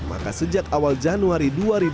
maka sejak awal januari dua ribu dua puluh